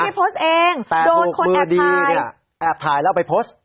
โพสต์เองโดนคนแอบดีเนี่ยแอบถ่ายแล้วไปโพสต์